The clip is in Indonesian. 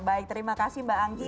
baik terima kasih mbak angki